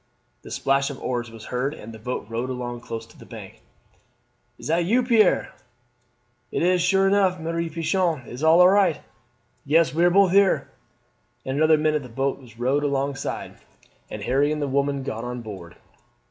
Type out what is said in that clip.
The splash of oars was heard, and a boat rowed along close to the bank. "Is that you, Pierre?" "It is us, sure enough, Mere Pichon. Is all right?" "Yes, we are both here." In another minute the boat was rowed alongside, and Harry and the woman got on board.